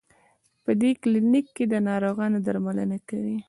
په دې کلینک کې د ناروغانو درملنه کوي.